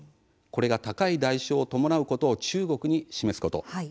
これが高い代償を伴うことを中国に示すこと。